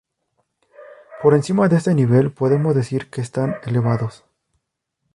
Por encima de este nivel podemos decir que están elevados.